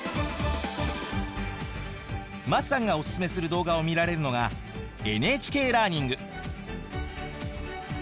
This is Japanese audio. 桝さんがオススメする動画を見られるのがＮＨＫラーニング。